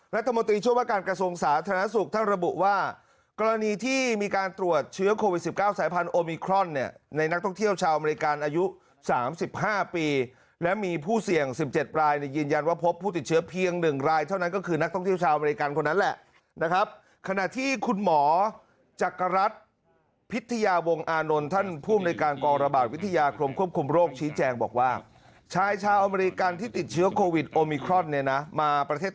รัฐมนตรีช่วงว่าการกระทรวงสาธารณสุขท่านระบุว่ากรณีที่มีการตรวจเชื้อโควิด๑๙สายพันโอมิครอนเนี่ยในนักท่องเที่ยวชาวอเมริกันอายุ๓๕ปีและมีผู้เสี่ยง๑๗รายยืนยันว่าพบผู้ติดเชื้อเพียง๑รายเท่านั้นก็คือนักท่องเที่ยวชาวอเมริกันคนนั้นแหละนะครับขณะที่คุณหมอจักรรัฐพิธ